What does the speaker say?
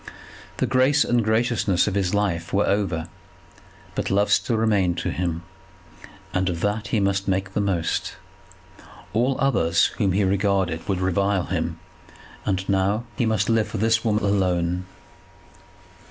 The grace and graciousness of his life were over; but love still remained to him, and of that he must make the most. All others whom he regarded would revile him, and now he must live for this woman alone.